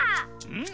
ん？